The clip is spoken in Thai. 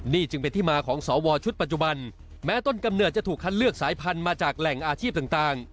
นี่จึงเป็นที่มาของสวชุดปัจจุบันแม้ต้นกำเนิดจะถูกคัดเลือกสายพันธุ์มาจากแหล่งอาชีพต่าง